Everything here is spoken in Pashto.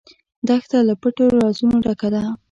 دښته له پټ رازونو ډکه ده.